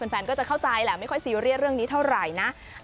แฟนก็จะเข้าใจแหละไม่ค่อยซีเรียสเรื่องนี้เท่าไหร่นะ